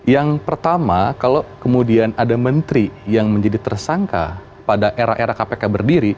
yang pertama kalau kemudian ada menteri yang menjadi tersangka pada era era kpk berdiri